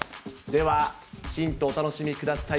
では、ヒントお楽しみください。